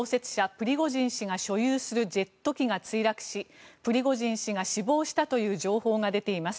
プリゴジン氏が所有するジェット機が墜落しプリゴジン氏が死亡したとの情報も出ています。